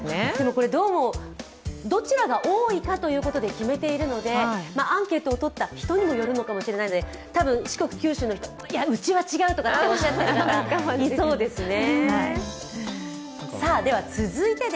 これ、どちらが多いかということで決めているので、アンケートを採った人によっても違うと思いますが、多分、四国・九州の人は、うちは違うとおっしゃってる人がいそうですね。